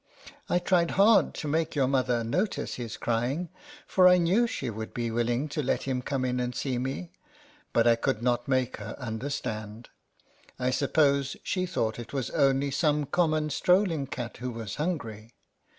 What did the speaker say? I tried hard to make your kind mother notice his crying, for I knew she would be willing to let him come in and see me, but I could not make her under stand. I suppose she thought it was only some common strolling cat who was hungry.